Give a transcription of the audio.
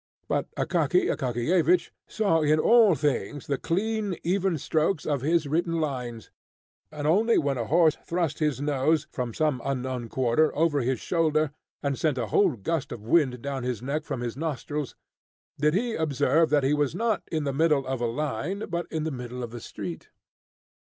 But Akaky Akakiyevich saw in all things the clean, even strokes of his written lines; and only when a horse thrust his nose, from some unknown quarter, over his shoulder, and sent a whole gust of wind down his neck from his nostrils, did he observe that he was not in the middle of a line, but in the middle of the street.